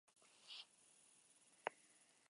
Las señales son raíces verdes frondosas, y bayas.